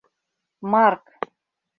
Марк.